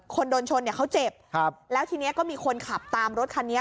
คนโดนชนเขาเจ็บแล้วทีนี้ก็มีคนขับตามรถคันนี้